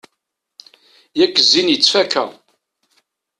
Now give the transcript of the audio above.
Yak zzin yettfakka.